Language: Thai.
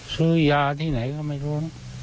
ซื้อยาที่ไหนก็ไม่รู้